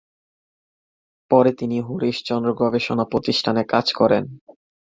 পরে তিনি হরিশ চন্দ্র গবেষণা প্রতিষ্ঠানে কাজ করেন।